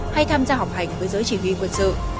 hay tham gia học hành với giới chỉ huy quân sự